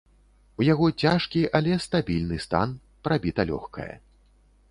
У яго цяжкі, але стабільны стан, прабіта лёгкае.